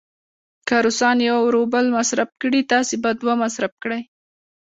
که روسان یو روبل مصرف کړي، تاسې به دوه مصرف کړئ.